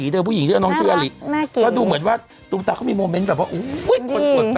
ดูแล้วก็ต้องดูยาวเลยเนอะจริง